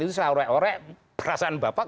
itu saya ore ore perasaan bapak